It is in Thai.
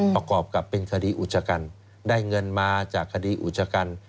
ประกอบกับเป็นคดีอุจจกรรมได้เงินมาจากคดีอุจจกรรม